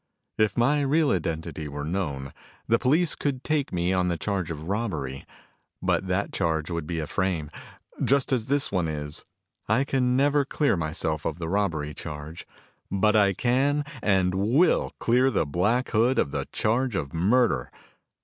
"If my real identity were known, the police could take me on the charge of robbery. But that charge would be a frame, just as this one is. I can never clear myself of the robbery charge. But I can and will clear the Black Hood of the charge of murder.